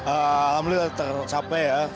alhamdulillah tercapai ya